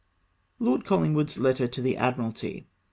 Lord CoLLiNawooD's Letter to the Admiralty.